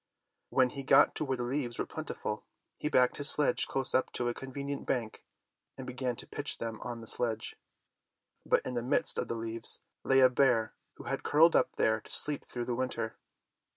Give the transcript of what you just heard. When he got to where the leaves were plentiful he backed his sledge close up to a convenient bank and began to pitch them on to the sledge. But in the midst of the leaves lay a bear who had curled up there to sleep through the winter.